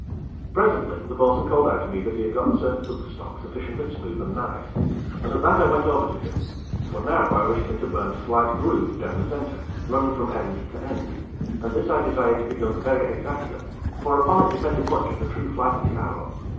Presently, the bo'sun called out to me that he had got the surface of the stock sufficiently smooth and nice; and at that I went over to him; for now I wished him to burn a slight groove down the center, running from end to end, and this I desired to be done very exactly; for upon it depended much of the true flight of the arrow.